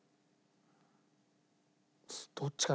どっちかな？